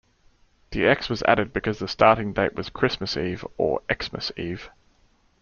The "X" was added because the starting date was Christmas Eve, or "X"mas eve.